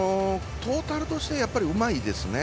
トータルとしてやっぱりうまいですね。